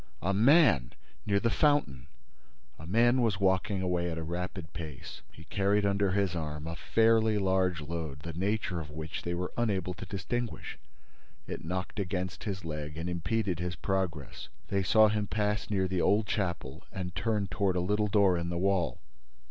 —A man!—Near the fountain!" A man was walking away at a rapid pace. He carried under his arm a fairly large load, the nature of which they were unable to distinguish: it knocked against his leg and impeded his progress. They saw him pass near the old chapel and turn toward a little door in the wall.